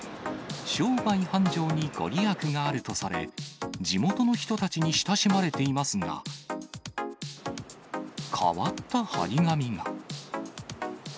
商売繁盛に御利益があるとされ、地元の人たちに親しまれていますが、変わった貼り紙が。